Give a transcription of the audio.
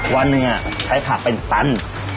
วันหนึ่งใช้ผักเป็นตัน